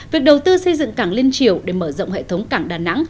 việc đầu tư xây dựng cảng liên triều để mở rộng hệ thống cảng đà nẵng